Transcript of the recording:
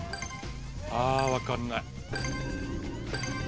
ああわかんない。